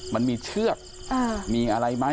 มันมีเชือกมีอะไรไหม